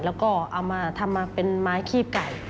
และก็มาทำเป็นไม้ขี้บไก่